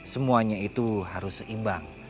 semuanya itu harus seimbang